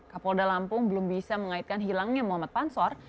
kapolda lampung belum bisa mengaitkan hilangnya muhammad pansor